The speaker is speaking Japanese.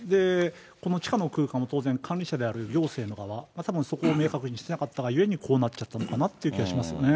この地下の空間も当然管理者である行政の側、たぶんそこを明確にしなかったがゆえにこうなっちゃったのかなと思いますね。